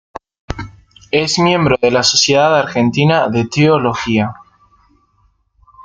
Es miembro de la Sociedad Argentina de Teología.